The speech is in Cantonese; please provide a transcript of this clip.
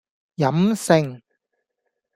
飲勝